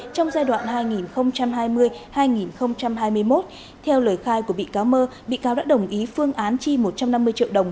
trong giai đoạn hai nghìn hai mươi hai nghìn hai mươi một theo lời khai của bị cáo mơ bị cáo đã đồng ý phương án chi một trăm năm mươi triệu đồng